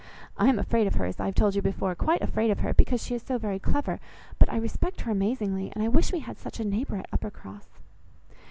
I am afraid of her, as I have told you before, quite afraid of her, because she is so very clever; but I respect her amazingly, and wish we had such a neighbour at Uppercross."